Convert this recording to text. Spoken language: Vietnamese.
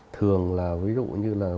thường là ví dụ như là